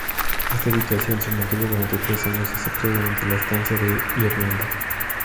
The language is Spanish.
Esta situación se mantuvo durante tres años, excepto durante su estancia de Irlanda.